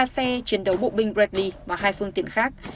ba xe chiến đấu bộ binh bredli và hai phương tiện khác